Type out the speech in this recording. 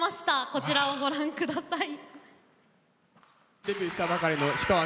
こちらをご覧ください。